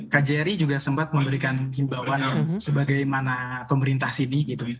kjri juga sempat memberikan imbauan yang sebagaimana pemerintah sini gitu